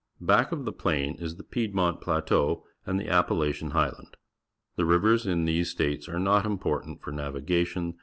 Back of the plain is the Piedmont Plateau and the Appalachian Highland. The rivers in these states are not important for navigation.